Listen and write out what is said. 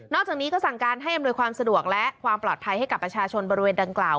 จากนี้ก็สั่งการให้อำนวยความสะดวกและความปลอดภัยให้กับประชาชนบริเวณดังกล่าว